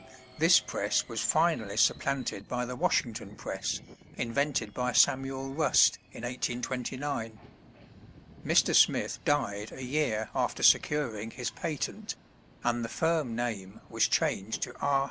This press was finally supplanted by the Washington press, invented by Samuel Rust in 1829. Mr. Smith died a year after securing his patent, and the firm name was changed to R.